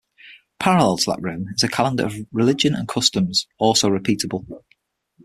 Parallel to that rhythm is a calendar of religion and customs, also repeatable.